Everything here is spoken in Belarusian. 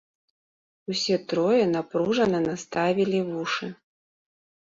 Усе трое напружана наставілі вушы.